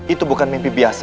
itu bukan mimpi biasa